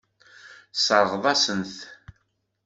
Tesseṛɣeḍ-asent-t.